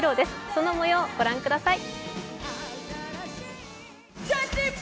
その模様、ご覧ください。